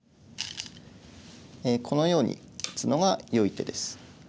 このように打つのがよい手です。